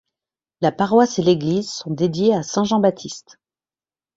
La paroisse et l'église sont dédiées à saint Jean Baptiste.